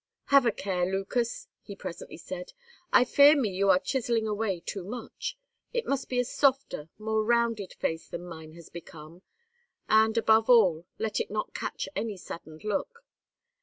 "Have a care, Lucas," he presently said; "I fear me you are chiselling away too much. It must be a softer, more rounded face than mine has become; and, above all, let it not catch any saddened look.